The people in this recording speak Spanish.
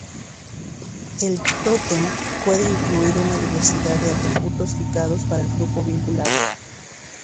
El tótem puede incluir una diversidad de atributos y significados para el grupo vinculado.